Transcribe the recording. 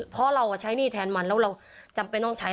เพราะเราใช้หนี้แทนมันแล้วเราจำเป็นต้องใช้